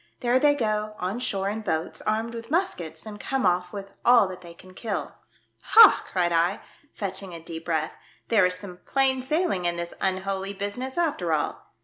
There they go on shore in boats, armed with muskets, and come off with all that they can kill." Ha !" cried I, fetching a deep breath, " there is some plain sailing in this un holy business after all.